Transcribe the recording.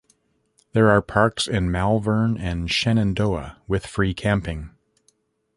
There are parks in Malvern and Shenandoah with free camping.